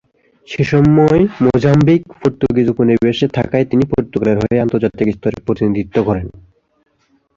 সেসময় Mozambique Portuguese উপনিবেশে থাকায় তিনি পর্তুগালের হয়ে আন্তর্জাতিক স্তরে প্রতিনিধিত্ব করেন।